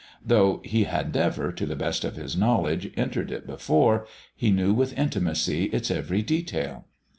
Though he had never, to the best of his knowledge, entered it before, he knew with intimacy its every detail.